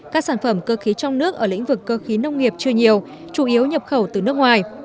các sản phẩm cơ khí trong nước ở lĩnh vực cơ khí nông nghiệp chưa nhiều chủ yếu nhập khẩu từ nước ngoài